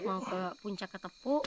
mau ke puncak ketepu